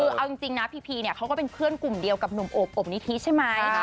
คือเอาจริงนะพีพีเนี่ยเขาก็เป็นเพื่อนกลุ่มเดียวกับหนุ่มโอบอบนิธิใช่ไหม